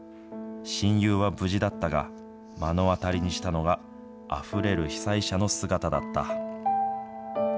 親友は無事だったが、目の当たりにしたのは、あふれる被災者の姿だった。